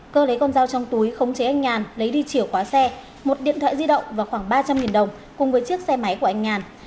cơ lấy con dao trong túi khống chế anh nhàn lấy đi chìa khóa xe một điện thoại di động và khoảng ba trăm linh đồng cùng với chiếc xe máy của anh nhàn